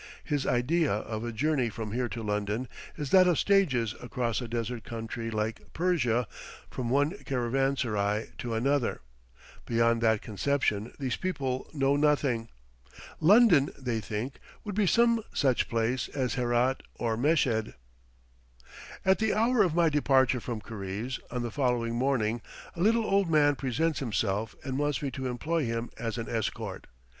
His idea of a journey from here to London is that of stages across a desert country like Persia from one caravanserai to another; beyond that conception these people know nothing. London, they think, would be some such place as Herat or Meshed. At the hour of my departure from Karize, on the following morning, a little old man presents himself, and wants me to employ him as an escort.